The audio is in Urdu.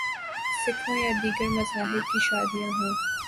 سکھوں یا دیگر مذاہب کی شادیاں ہوں۔